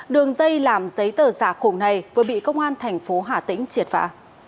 đường dây làm giấy tờ giả khủng này vừa bị công an thành phố hà tĩnh triệt vạ